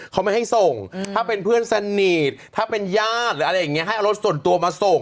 เขาไม่ให้ส่งถ้าเป็นเพื่อนสนิทถ้าเป็นญาติหรืออะไรอย่างนี้ให้เอารถส่วนตัวมาส่ง